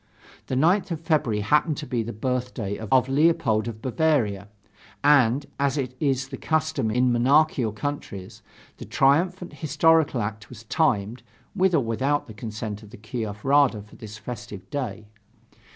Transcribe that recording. The 9th of February happened to be the birthday of Leopold of Bavaria, and, as is the custom in monarchical countries, the triumphant historical act was timed with or without the consent of the Kiev Rada for this festive day.